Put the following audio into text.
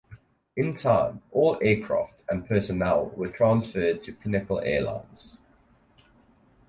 In time, all aircraft and personnel were transferred to Pinnacle Airlines.